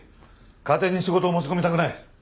家庭に仕事を持ち込みたくない。